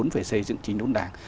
về xây dựng chính đồng đảng